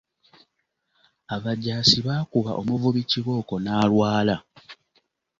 Abajaasi baakuba omuvubi kibooko n’alwala.